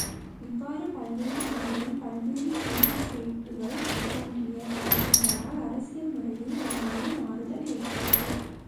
இவ்வாறு பல்வேறு இடங்களில் பல்வேறு சிடி ஸ்டேட்டுகள் தோன்றிய காரணங்களால் அரசியல் முறையில் ஒரு நல்ல மாறுதல் ஏற்பட்டது.